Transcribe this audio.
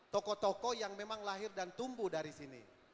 toko toko yang memang lahir dan tumbuh dari sini